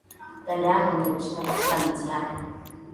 Dada yangu nilimshinda katika mitihani